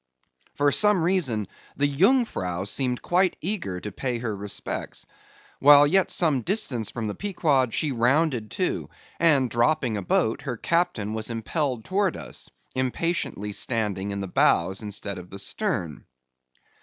For some reason, the Jungfrau seemed quite eager to pay her respects. While yet some distance from the Pequod, she rounded to, and dropping a boat, her captain was impelled towards us, impatiently standing in the bows instead of the stern.